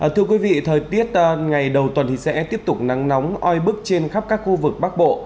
thưa quý vị thời tiết ngày đầu tuần sẽ tiếp tục nắng nóng oi bức trên khắp các khu vực bắc bộ